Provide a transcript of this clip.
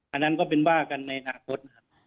อันนั้นก็เป็นบ้ากันในหน้าวด